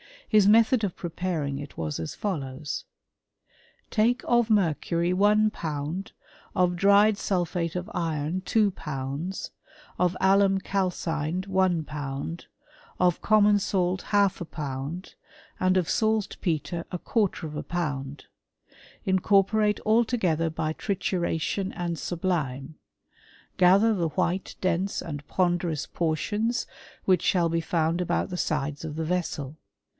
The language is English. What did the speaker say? His method preparing it was as follows :Take of mercury i pound, of dried sulphate of iron two pounds, of al calcined one pound, of common salt half a pou 1^1 and of saltpetre a quarter of a pound : incorpoi altogether by trituration and sublime; gather white, dense, and ponderous portions which shall found about the sides of the vessel.